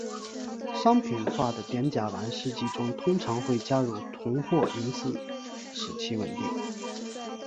商品化的碘甲烷试剂中通常会加入铜或银丝使其稳定。